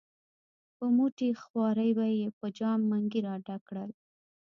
په مټې خوارۍ به یې په جام منګي را ډک کړل.